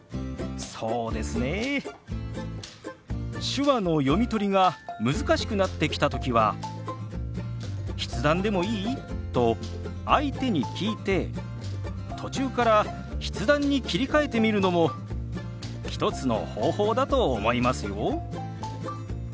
手話の読み取りが難しくなってきた時は「筆談でもいい？」と相手に聞いて途中から筆談に切り替えてみるのも一つの方法だと思いますよ。